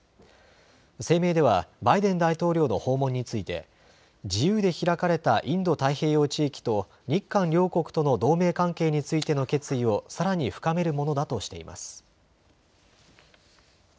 声明ではバイデン大統領の訪問について自由で開かれたインド太平洋地域と日韓両国との同盟関係についての決意をさらに深めるものだとしています。